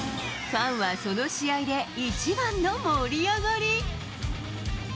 ファンはその試合で一番の盛り上がり。